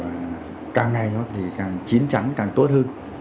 và càng ngày nó thì càng chín chắn càng tốt hơn